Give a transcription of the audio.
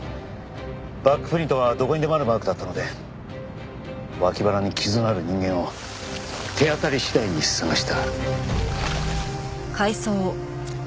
バックプリントはどこにでもあるマークだったので脇腹に傷のある人間を手当たり次第に捜した。